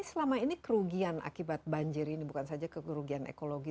tapi selama ini kerugian akibat banjir ini bukan saja kegerugian ekologi